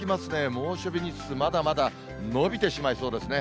猛暑日日数、まだまだ延びてしまいそうですね。